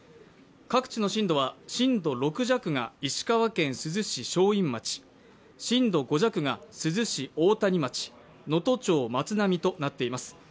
各地の震度は震度６弱が石川県珠洲市正院町、震度５弱が珠洲市大谷町、能登町松波となっています。